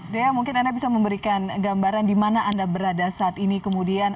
dea mungkin anda bisa memberikan gambaran di mana anda berada saat ini kemudian